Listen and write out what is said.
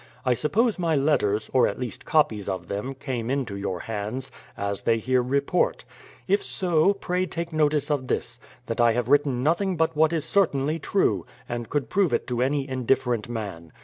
I suppose my letters, — or at least copies of them, —• came into your hands, as they here report. If so, pray take notice 156 BRADFORD'S HISTORY OF of this : that I have written nothing but what is certainly true, and could prove it to any indifferent man.